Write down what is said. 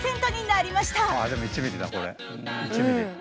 １ミリ。